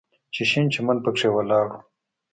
چې شين چمن پکښې ولاړ و.